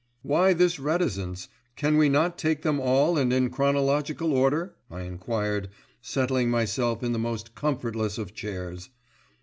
"Why this reticence? Can we not take them all and in chronological order?" I enquired, settling myself in the most comfortless of chairs.